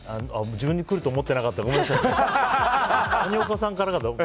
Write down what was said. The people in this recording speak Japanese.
自分に来ると思ってなかった。